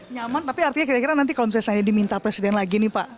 nyaman tapi artinya kira kira nanti kalau misalnya saya diminta presiden lagi nih pak